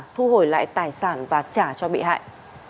thu hồi lại tài sản và trả cho bị hại